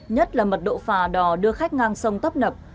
nhất là mật độ phà đò đưa khách ngang sông tấp nập